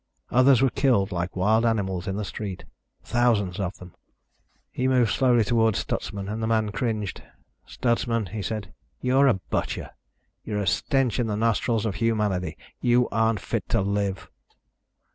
Others were killed like wild animals in the street. Thousands of them." He moved slowly toward Stutsman and the man cringed. "Stutsman," he said, "you're a butcher. You're a stench in the nostrils of humanity. You aren't fit to live."